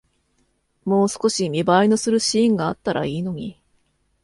もう少し見栄えのするシーンがあったらいいのに